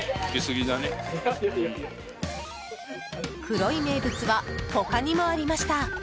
黒い名物は他にもありました。